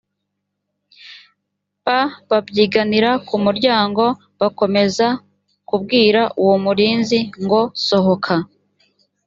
p babyiganira ku muryango bakomeza kubwira uwo murinzi ngo sohoka